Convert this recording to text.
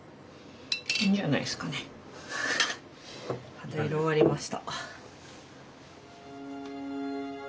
肌色終わりました。